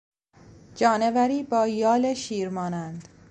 جانوری با یال شیر مانند